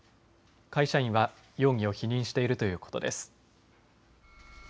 会社員は容疑を否認しているということです。